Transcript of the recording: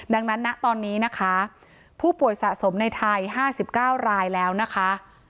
ดังนั้นนะตอนนี้นะคะผู้ป่วยสะสมในไทย๕๙รายแล้วนะคะ